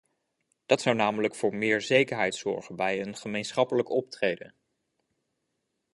Dat zou namelijk voor meer zekerheid zorgen bij een gemeenschappelijk optreden.